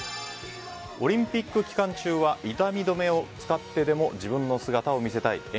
オリンピック期間中は痛み止めを使ってでも自分の姿を見せたい。